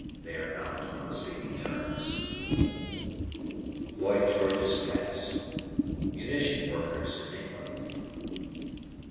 They are not on speaking terms. "Lloyd George's Pets." Munition workers in England.